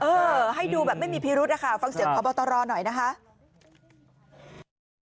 เออให้ดูแบบไม่มีพิรุธนะคะฟังเสียงพบตรหน่อยนะคะ